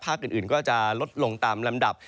อื่นก็จะลดลงตามลำดับ